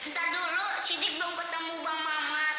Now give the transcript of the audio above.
ntar dulu siddiq belum ketemu bang mama